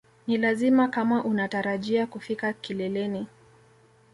Ni lazima kama unatarajia kufika kileleni